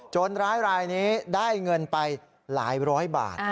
ร้ายรายนี้ได้เงินไปหลายร้อยบาท